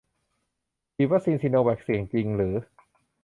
ฉีดวัคซีนซิโนแวคเสี่ยงจริงหรือ